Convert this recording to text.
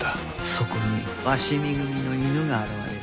そこに鷲見組の犬が現れる。